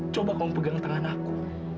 coba kaum pegang tangan aku